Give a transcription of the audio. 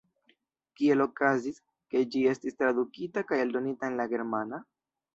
Kiel okazis, ke ĝi estis tradukita kaj eldonita en la germana?